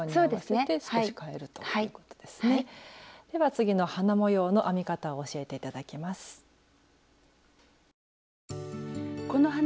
では次の花模様の編み方を教えていただきます。